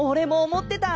思ってた。